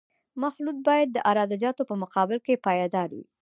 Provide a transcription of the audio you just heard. مخلوط باید د عراده جاتو په مقابل کې پایدار وي